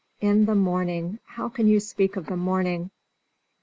In the morning! how can you speak of the morning?"